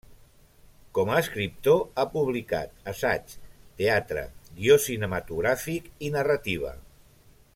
Com a escriptor ha publicat assaig, teatre, guió cinematogràfic i narrativa.